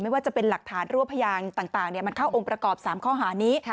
ไม่ว่าจะเป็นหลักฐานรวบพยานต่างเนี่ยมันเข้าองค์ประกอบสามข้อหานี้